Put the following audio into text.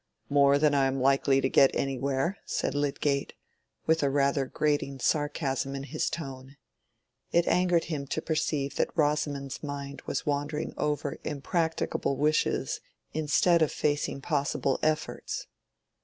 "More than I am likely to get anywhere," said Lydgate, with rather a grating sarcasm in his tone. It angered him to perceive that Rosamond's mind was wandering over impracticable wishes instead of facing possible efforts.